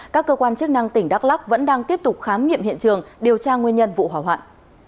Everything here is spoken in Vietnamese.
các cơ quan chức năng tỉnh đắk lắc vẫn đang tiếp tục khám nghiệm hiện trường điều tra nguyên nhân vụ hỏa hoạn